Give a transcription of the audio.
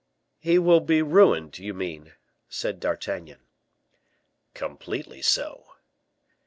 "He will be ruined, you mean?" said D'Artagnan. "Completely so."